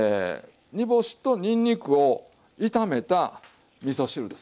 煮干しとにんにくを炒めたみそ汁です。